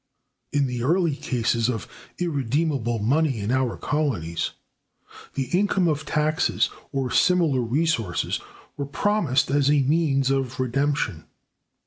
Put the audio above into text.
In the early cases of irredeemable money in our colonies, the income of taxes, or similar resources, were promised as a means of redemption.